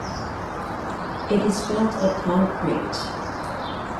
It is built of concrete.